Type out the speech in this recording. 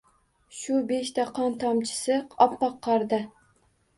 Shu beshta qon tomchisi oppoq qorda.